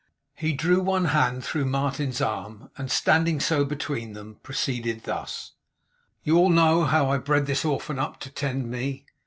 He drew one hand through Martin's arm, and standing so, between them, proceeded thus: 'You all know how I bred this orphan up, to tend me.